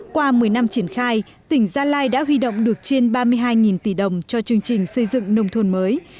qua một mươi năm triển khai tỉnh gia lai đã huy động được trên ba mươi hai tỷ đồng cho chương trình xây dựng nông thôn mới